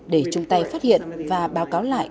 để chung tay phát hiện và báo cáo lại